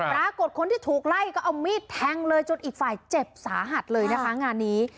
ปรากฏคนที่ถูกไล่ก็เอามีดแทงเลยจนอีกฝ่ายเจ็บสาหัสเลยนะคะงานนี้